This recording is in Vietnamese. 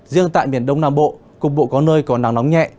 riêng tại miền đông nam bộ cùng bộ có nơi còn nắng nóng nhẹ